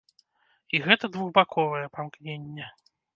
І гэта двухбаковае памкненне.